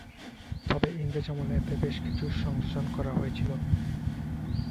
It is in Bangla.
তবে ইংরেজ আমলে এতে বেশ কিছু সংযোজন করা হয়েছিল।